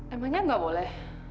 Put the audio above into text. emangnya gak boleh